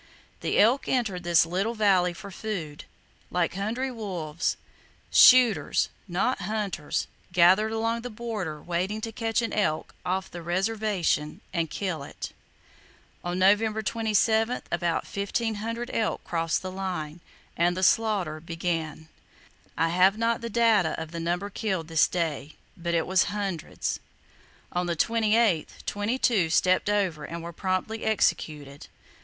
The elk entered this little valley for food. Like hungry wolves, shooters, not hunters, gathered along the border waiting to catch an elk off the "reservation" and kill it. On November 27th about 1500 elk crossed the line, and the slaughter began. I have not the data of the number killed this day, but it was hundreds. On the 28th, twenty two stepped over and were promptly executed.